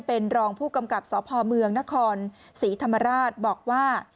เป็นรองผู้กำกับสพเมืองนครศรีธรรมราชบอกว่า